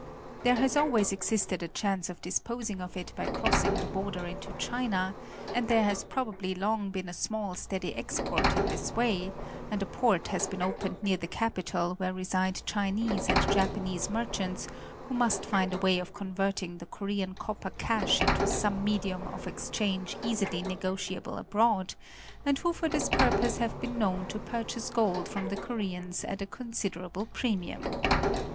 There has always existed a chance of dis posing of it by crossing the border into China, and there has probably long been a small steady export in this way; and a port has been opened near the capital where reside Chinese and Japanese merchants who must find a way of converting the Korean copper cash into some medium of exchange easily nego tiable abroad, and who for this purpose have been known to purchase gold from the Koreans at a considerable premium.